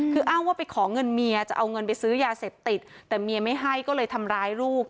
คืออ้างว่าไปขอเงินเมียจะเอาเงินไปซื้อยาเสพติดแต่เมียไม่ให้ก็เลยทำร้ายลูก